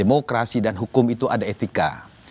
demokrasi dan hukum itu ada etika